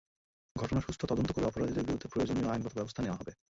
ঘটনার সুষ্ঠু তদন্ত করে অপরাধীদের বিরুদ্ধে প্রয়োজনীয় আইনগত ব্যবস্থা নেওয়া হবে।